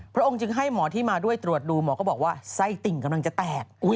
พระองค์จึงให้หมอที่มาด้วยตรวจดูหมอก็บอกว่าไส้ติ่งกำลังจะแตก